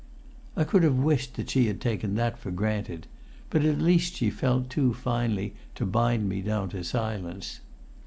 I could have wished that she had taken that for granted; but at least she felt too finely to bind me down to silence.